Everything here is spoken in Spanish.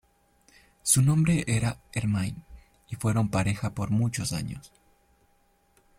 Su nombre era Hermine y fueron pareja por muchos años.